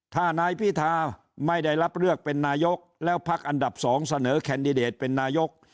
ถ้านายพิธาไม่ได้รับเลือกเป็นนายกแล้วพักอันดับ๒เสนอแคนดิเดตเป็นนายก